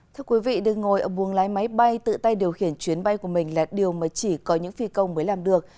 thưa quý vị đừng ngồi ở buông lái máy bay tự tay điều khiển chuyến bay của mình là điều mà chỉ có những phi công mới làm được